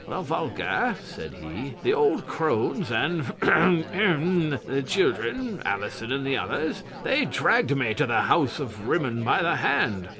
'The vulgar,' said he, 'the old crones and ahem! the children, Alison and the others, they dragged me to the House of Rimmon by the hand.